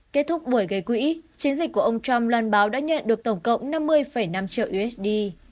kết thúc buổi gây quỹ chiến dịch của ông trump loan báo đã nhận được tổng cộng năm mươi năm triệu usd